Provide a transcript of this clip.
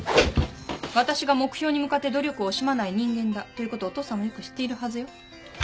私が目標に向かって努力を惜しまない人間だということをお父さんはよく知っているはずよ。